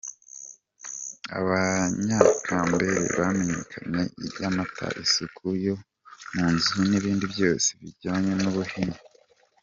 Abanyakambere : Bamenyaga iby’ amata ,isuku yo mu nzu, n’ibindi byose bijyanye n’uruhimbi.